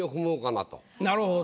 なるほど。